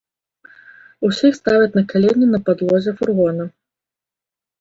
Усіх ставяць на калені на падлозе фургона.